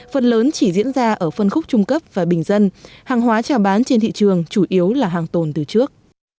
phần lớn chỉ diễn ra ở phân khúc trung cấp và bình dân hàng hóa trả bán trên thị trường chủ yếu là hàng tồn từ trước